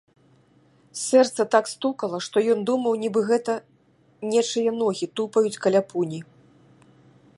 Сэрца так стукала, што ён думаў, нібы гэта нечыя ногі тупаюць каля пуні.